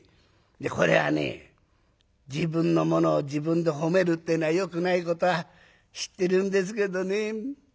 これはね自分のものを自分で褒めるってえのはよくないことは知ってるんですけどね